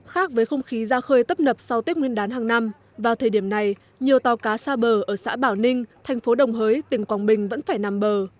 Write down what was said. khác với không khí ra khơi tấp nập sau tết nguyên đán hàng năm vào thời điểm này nhiều tàu cá xa bờ ở xã bảo ninh thành phố đồng hới tỉnh quảng bình vẫn phải nằm bờ